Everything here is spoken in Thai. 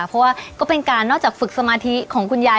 เพราะว่าก็เป็นการนอกจากฝึกสมาธิของคุณยาย